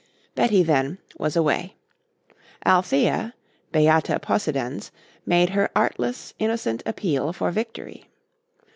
Betty, then, was away. Althea, beata possidens, made her artless, innocent appeal for victory.